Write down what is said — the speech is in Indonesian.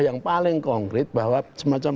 yang paling konkret bahwa semacam